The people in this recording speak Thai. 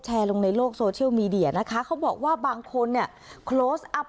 แชร์ลงในโลกโซเชียลมีเดียนะคะเขาบอกว่าบางคนเนี่ย